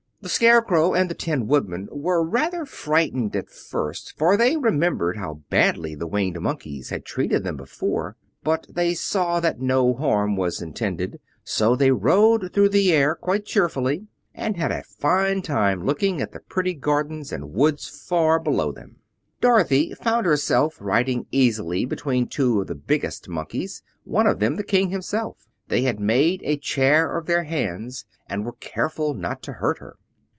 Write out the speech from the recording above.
The Scarecrow and the Tin Woodman were rather frightened at first, for they remembered how badly the Winged Monkeys had treated them before; but they saw that no harm was intended, so they rode through the air quite cheerfully, and had a fine time looking at the pretty gardens and woods far below them. Dorothy found herself riding easily between two of the biggest Monkeys, one of them the King himself. They had made a chair of their hands and were careful not to hurt her.